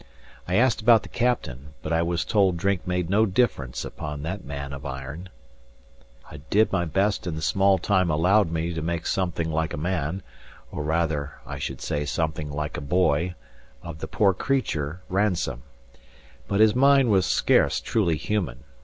I asked about the captain; but I was told drink made no difference upon that man of iron. I did my best in the small time allowed me to make some thing like a man, or rather I should say something like a boy, of the poor creature, Ransome. But his mind was scarce truly human.